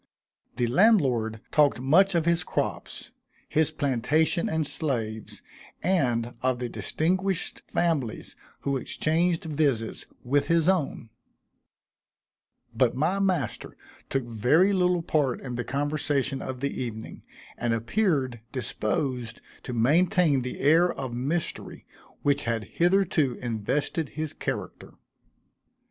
The landlord talked much of his crops, his plantation and slaves, and of the distinguished families who exchanged visits with his own; but my master took very little part in the conversation of the evening, and appeared disposed to maintain the air of mystery which had hitherto invested his character.